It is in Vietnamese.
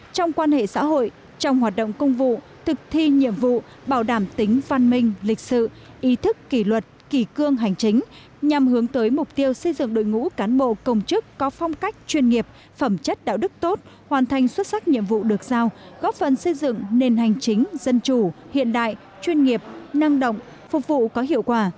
trong quan hệ xã hội trong hoạt động công vụ thực thi nhiệm vụ bảo đảm tính văn hóa